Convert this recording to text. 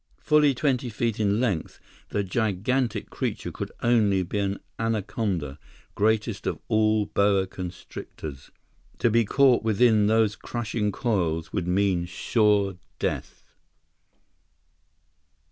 Fully twenty feet in length, the gigantic creature could only be an anaconda, greatest of all boa constrictors. To be caught within those crushing coils would mean sure death!